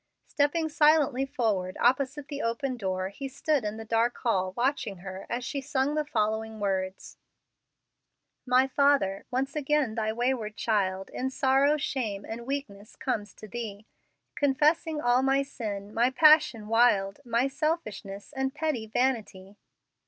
Stepping silently forward opposite the open door, he stood in the dark hall watching her as she sung the following words: "My Father, once again Thy wayward child In sorrow, shame, and weakness comes to Thee, Confessing all my sin, my passion wild, My selfishness and petty vanity.